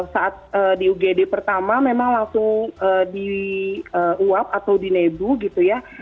saat di ugd pertama memang langsung diuap atau dinebu gitu ya